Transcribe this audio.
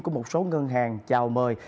của một số ngân hàng chào mời